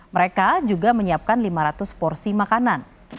mereka juga menyiapkan lima ratus porsi makanan